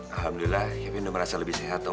alhamdulillah kevin udah merasa lebih sehat oma